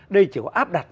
đây chỉ có áp đặt